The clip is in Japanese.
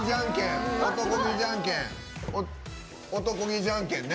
「男気じゃんけん」ね。